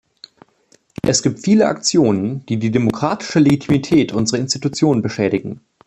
Es gibt viele Aktionen, die die demokratische Legitimität unserer Institutionen beschädigen.